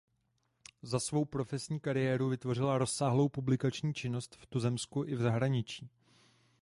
Za svou profesní kariéru vytvořila rozsáhlou publikační činnost v tuzemsku i v zahraničí.